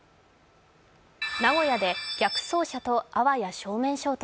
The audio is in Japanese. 名古屋で逆走車とあわや正面衝突。